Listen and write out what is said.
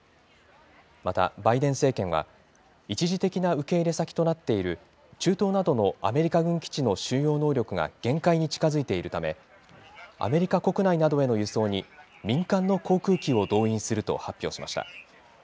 またバイデン政権は、一時的な受け入れ先となっている中東などのアメリカ軍基地の収容能力が限界に近づいているため、アメリカ国内などへの輸送に民間の航空機を導入すると発表しました。